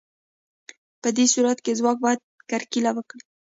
په دې صورت کې څوک باید کرکیله وکړي